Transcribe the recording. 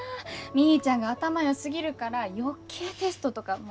みーちゃんが頭よすぎるから余計テストとか苦手になったのかも。